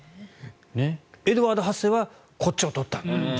エドワード８世はこっちを取ったんだと。